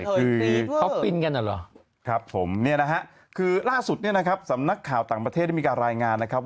ครับผมนี่นะฮะคือล่าสุดนี่นะครับสำนักข่าวต่างประเทศมีการรายงานนะครับ